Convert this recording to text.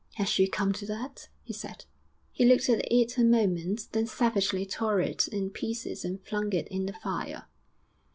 'Has she come to that?' he said. He looked at it a moment, then savagely tore it in pieces and flung it in the fire.